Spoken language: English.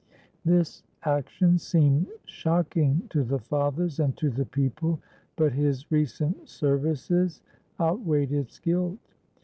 This action seemed shocking to the fathers and to the people; but his recent services outweighed its guilt.